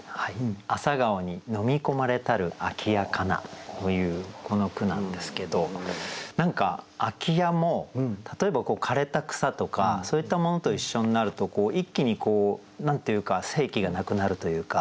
「朝顔に呑みこまれたる空家かな」というこの句なんですけど何か空家も例えば枯れた草とかそういったものと一緒になると一気にこう何て言うか生気がなくなるというか。